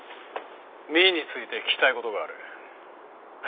美依について聞きたい事がある。